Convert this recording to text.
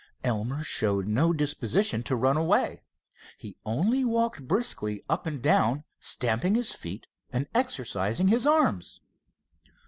Elmer showed no disposition to run away. He only walked briskly up and down, stamping his feet and exercising his arms.